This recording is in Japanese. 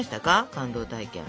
感動体験。